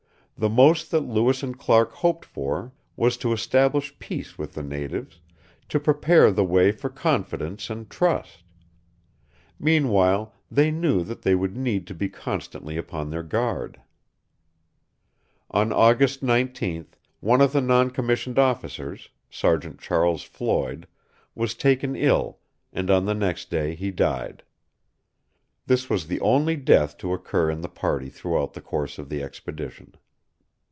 The most that Lewis and Clark hoped for was to establish peace with the natives, to prepare the way for confidence and trust. Meanwhile they knew that they would need to be constantly upon their guard. On August 19th one of the non commissioned officers, Sergeant Charles Floyd, was taken ill, and on the next day he died. This was the only death to occur in the party throughout the course of the expedition.